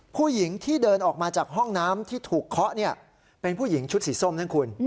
ผู้หญิงที่เดินออกมาจากห้องน้ำที่ถูกเคาะเป็นผู้หญิงชุดสีส้มนะคุณ